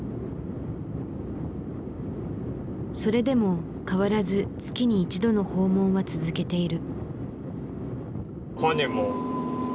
それでも変わらず月に一度の訪問は続けている。